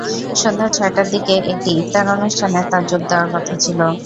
সন্ধ্যা ছয়টার দিকে একটি ইফতার অনুষ্ঠানে তাঁর যোগ দেওয়ার কথা ছিল।